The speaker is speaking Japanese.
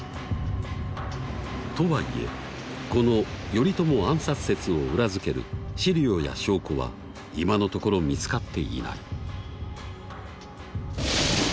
とはいえこの頼朝暗殺説を裏付ける史料や証拠は今のところ見つかっていない。